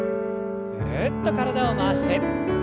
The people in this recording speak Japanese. ぐるっと体を回して。